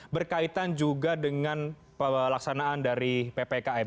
berkaitan juga dengan pelaksanaan dari ppkm